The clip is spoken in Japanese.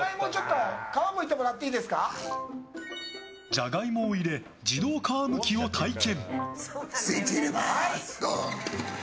ジャガイモを入れ自動皮むきを体験。